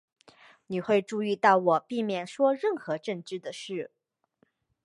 你会注意到我避免说任何政治的事。